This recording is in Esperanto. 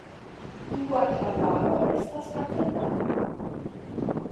Dua klavaro estas atendata.